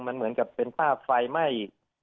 มันเหมือนกับเป็นภาพไฟไหม้